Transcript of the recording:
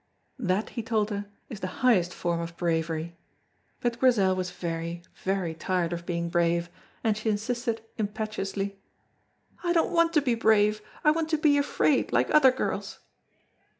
That, he told her, is the highest form of bravery, but Grizel was very, very tired of being brave, and she insisted impetuously, "I don't want to be brave, I want to be afraid, like other girls."